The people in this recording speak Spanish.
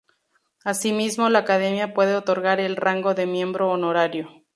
Asimismo, la Academia puede otorgar el rango de miembro honorario.